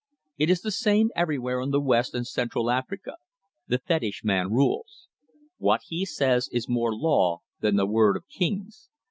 It is the same everywhere in West and Central Africa; the fetish man rules. What he says is more law than the word of kings.